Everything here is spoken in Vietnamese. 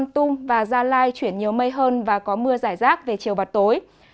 tung và gia lai chuyển nhiều mây hơn và có mưa rải rác về chiều và tối